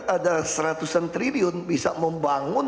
ada seratusan triliun bisa membangun